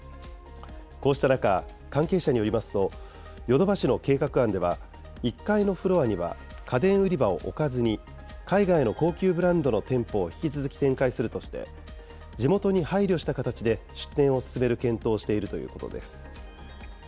こうした中、関係者によりますと、ヨドバシの計画案では、１階のフロアには家電売り場を置かずに、海外の高級ブランドの店舗を引き続き展開するとして、地元に配慮した形で出店を進める検討をしているということです。